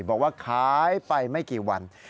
บอกว่าขายไปไม่กี่วัน